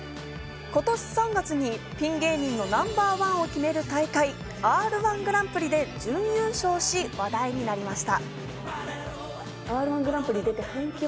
今年３月にピン芸人のナンバーワンを決めるＲ−１ぐらんぷりで準優勝し話題になりました。